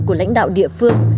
của lãnh đạo địa phương